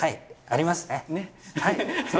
あります。